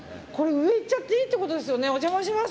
上行っちゃっていいってことですよね。